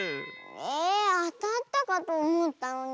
えあたったかとおもったのに。